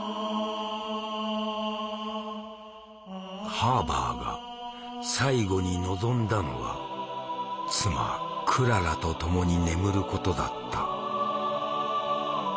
ハーバーが最後に望んだのは妻クララと共に眠ることだった。